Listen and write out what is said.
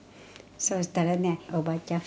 そうしたらねおばあちゃん